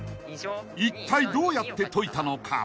［いったいどうやって解いたのか？］